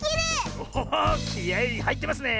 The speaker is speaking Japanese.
おおおっきあいはいってますね！